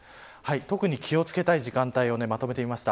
特に気を付けたい時間帯をまとめてみました。